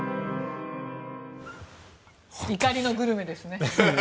怒りのグルメですね。